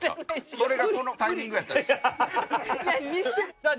それがそのタイミングやったんです。